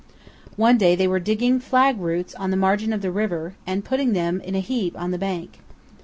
One day they were digging flag roots on the margin of the river and putting them in a heap on the bank.